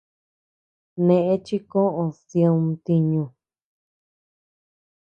Neʼe chi koʼöd did ntiñu.